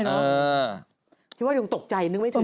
ชิคกี้พายต้องตกใจนึกไม่ถึง